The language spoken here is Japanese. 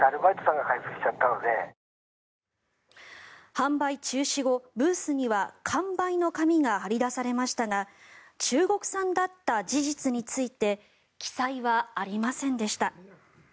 販売中止後、ブースには完売の紙が貼り出されましたが中国産だった事実について記載はありませんでした。